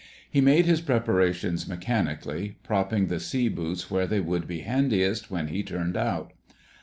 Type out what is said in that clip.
He made his preparations mechanically, propping the sea boots where they would be handiest when he turned out.